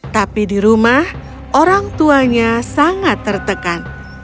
tapi di rumah orang tuanya sangat tertekan